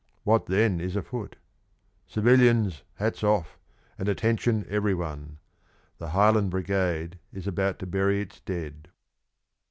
What, then, is afoot? Civilians, hats off, and attention everyone. The Highland Brigade is about to bury its dead.